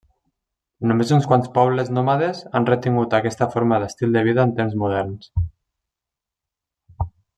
Només uns quants pobles nòmades han retingut aquesta forma d'estil de vida en temps moderns.